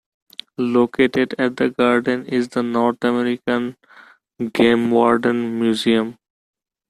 Located at the garden is the North American Game Warden Museum.